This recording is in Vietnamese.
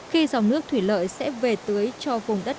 khi dòng nước thủy lợi sẽ về tưới cho vùng đất